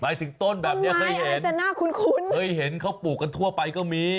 หมายถึงต้นแบบนี้เคยเห็นเคยเห็นเขาปลูกกันทั่วไปก็มี